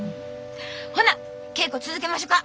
ほな稽古続けましょか！